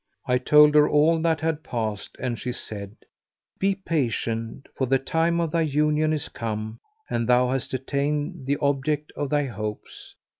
I told her all that had passed and she said, "Be patient, for the time of thy union is come and thou hast attained the object of thy hopes.